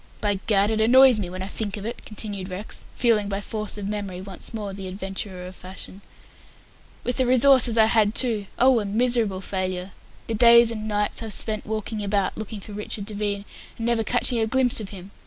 "By Gad, it annoys me when I think of it," continued Rex, feeling, by force of memory, once more the adventurer of fashion. "With the resources I had, too. Oh, a miserable failure! The days and nights I've spent walking about looking for Richard Devine, and never catching a glimpse of him.